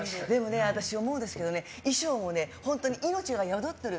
でもね、私、思うんですけどね衣装も命が宿ってる。